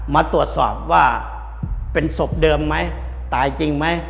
มาตรวจสอบว่าเป็นศพเดิมไหมตายจริงไหม